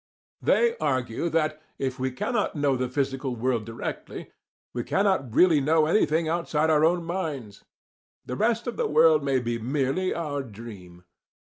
They argue that, if we cannot know the physical world directly, we cannot really know any thing outside our own minds: the rest of the world may be merely our dream.